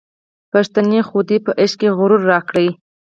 پښتنې خودۍ په عشق کي غرور راکړی